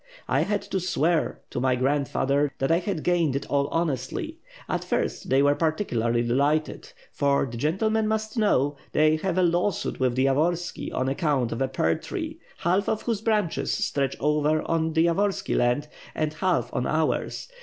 I had to swear to my grandfather that I had gained it all honestly. At first they were particularly delighted; for, the gentlemen must know, they have a law suit with the Yavorski on account of a pear tree, half of whose branches stretch over on the Yavorski land and half on ours.